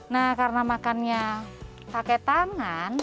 nah karena makannya pakai tangan